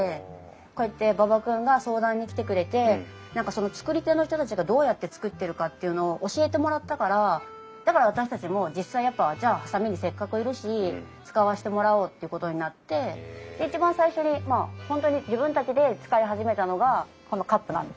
こうやって馬場君が相談に来てくれて何かその作り手の人たちがどうやって作っているかっていうのを教えてもらったからだから私たちも実際やっぱじゃあ波佐見にせっかくいるし使わせてもらおうっていうことになって一番最初にまあ本当に自分たちで使い始めたのがこのカップなんですよね。